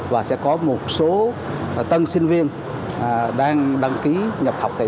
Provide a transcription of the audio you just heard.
thì chúng tôi sẽ hoàn khoảng một phí